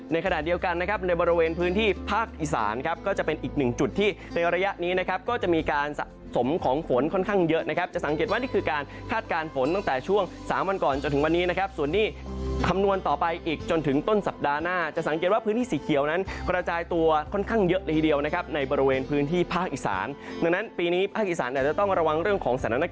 ในขณะเดียวกันนะครับในบริเวณพื้นที่ภาคอีสานครับก็จะเป็นอีกหนึ่งจุดที่ในระยะนี้นะครับก็จะมีการสะสมของฝนค่อนข้างเยอะนะครับจะสังเกตว่านี่คือการคาดการฝนตั้งแต่ช่วง๓วันก่อนจนถึงวันนี้นะครับส่วนที่คำนวณต่อไปอีกจนถึงต้นสัปดาห์หน้าจะสังเกตว่าพื้นที่สีเขียวนั้นกระจายตัวค่